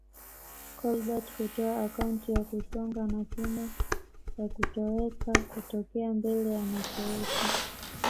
Kolbert hutoa akaunti ya kusonga na kina ya kutoweka kutokea mbele ya macho yetu